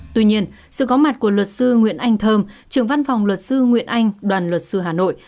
tuy nhiên sự có mặt của luật sư nguyễn anh thơm trưởng văn phòng luật sư nguyễn anh đoàn luật sư hà nội